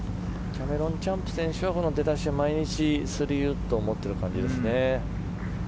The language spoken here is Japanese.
キャメロン・チャンプ選手は出だし毎日、３ウッドを持っている感じですね。